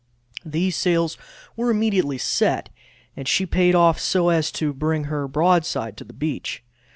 These sails were immediately set, and she payed off so as to bring her broadside to the beach.